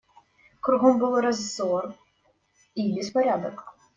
Кругом был разор и беспорядок.